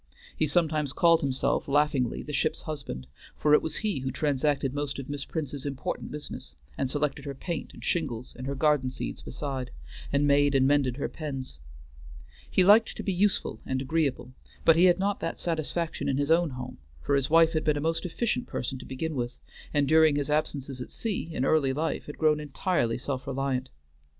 He sometimes called himself laughingly the ship's husband, for it was he who transacted most of Miss Prince's important business, and selected her paint and shingles and her garden seeds beside, and made and mended her pens. He liked to be useful and agreeable, but he had not that satisfaction in his own home, for his wife had been a most efficient person to begin with, and during his absences at sea in early life had grown entirely self reliant.